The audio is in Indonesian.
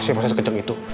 asli pasnya sekenceng itu